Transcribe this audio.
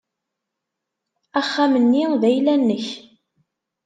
Axxam-nni d ayla-nnek.